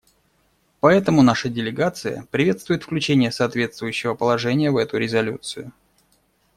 Поэтому наша делегация приветствует включение соответствующего положения в эту резолюцию.